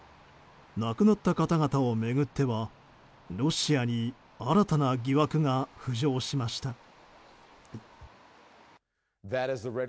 亡くなった方々を巡ってはロシアに新たな疑惑が浮上しました。